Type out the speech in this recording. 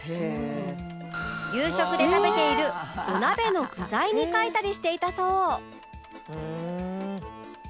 夕食で食べているお鍋の具材に書いたりしていたそう